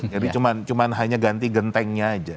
jadi cuma hanya ganti gentengnya aja